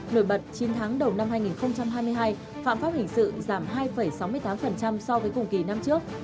nổi bật chín tháng đầu năm hai nghìn hai mươi hai phạm pháp hình sự giảm hai sáu mươi tám so với cùng kỳ năm trước